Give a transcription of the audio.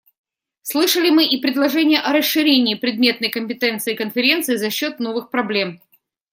Слышали мы и предложения о расширении предметной компетенции Конференции за счет новых проблем.